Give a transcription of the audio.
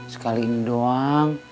sekali ini doang